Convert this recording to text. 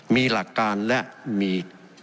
มีหลักการและมี